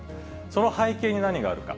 その背景に何があるか。